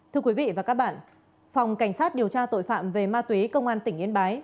thưa quý vị và các bạn phòng cảnh sát điều tra tội phạm về ma túy công an tỉnh yên bái